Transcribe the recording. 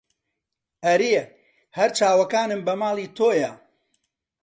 ئەرێ هەر چاوەکانم بە ماڵی تۆیە